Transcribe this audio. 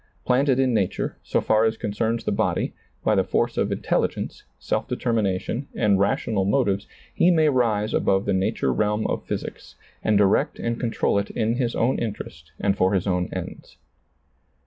Planted in nature, so far as ^lailizccbvGoOgle THE VALUE OF THE SOUL 133 concerns the body, by the force of intelligence, self determination and rational motives he may rise above the nature realm of physics and direct and control it in his own interest and for his own ends.